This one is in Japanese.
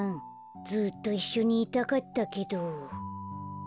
ずっといっしょにいたかったけど。